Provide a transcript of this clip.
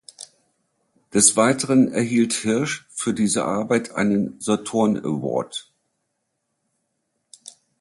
Des Weiteren erhielt Hirsch für diese Arbeit einen Saturn Award.